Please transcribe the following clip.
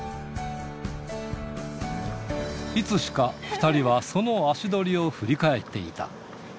いつしか２人はその足取りを振り返っていた。